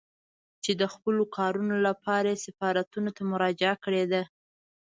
چې د خپلو کارونو لپاره يې سفارتونو ته مراجعه کړې ده.